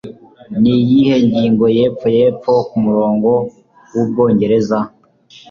Niyihe ngingo Yepfo Yepfo Kumurongo Wubwongereza?